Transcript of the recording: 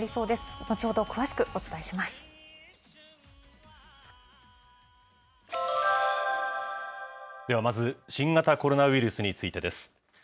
ではまず、新型コロナウイルスについてです。